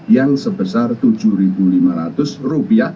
yang sebesar rp tujuh lima ratus